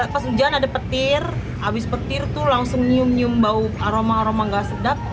pas hujan ada petir habis petir tuh langsung nyium nyium bau aroma aroma gak sedap